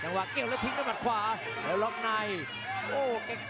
แชลเบียนชาวเล็ก